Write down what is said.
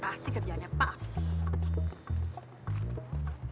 pasti kerjaannya papi